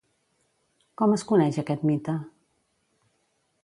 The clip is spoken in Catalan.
Com es coneix aquest mite?